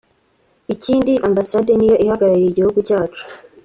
Ikindi Ambassade ni yo ihagarariye igihugu cyacu